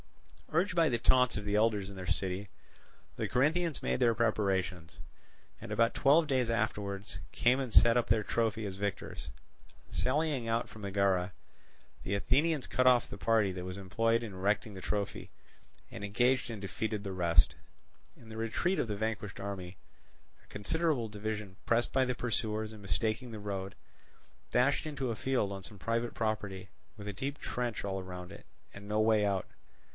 Urged by the taunts of the elders in their city, the Corinthians made their preparations, and about twelve days afterwards came and set up their trophy as victors. Sallying out from Megara, the Athenians cut off the party that was employed in erecting the trophy, and engaged and defeated the rest. In the retreat of the vanquished army, a considerable division, pressed by the pursuers and mistaking the road, dashed into a field on some private property, with a deep trench all round it, and no way out.